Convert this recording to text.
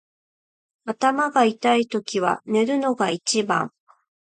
頭が痛いときは寝るのが一番。